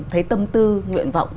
thấy tâm tư nguyện vọng